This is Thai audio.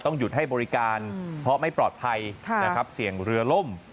หยุดให้บริการเพราะไม่ปลอดภัยนะครับเสี่ยงเรือล่ม